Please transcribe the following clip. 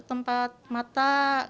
empat mata gitu